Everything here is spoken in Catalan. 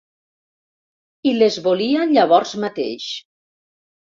I les volia llavors mateix.